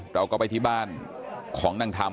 เราก็ไปที่บ้านของนางธรรม